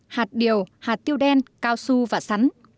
hạt điều hạt tiêu đen cao su và sắn